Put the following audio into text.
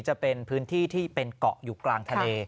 จะเป็นพื้นที่ที่เป็นเกาะอยู่กลางทะเล